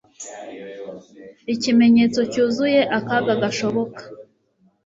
Ikimenyetso cyuzuye akaga gashoboka